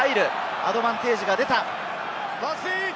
アドバンテージが出た。